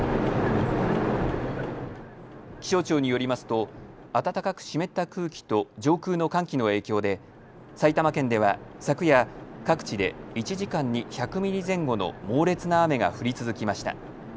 気象庁によりますと暖かく湿った空気と上空の寒気の影響で埼玉県では昨夜、各地で１時間に１００ミリ前後の猛烈な雨が降り続きました。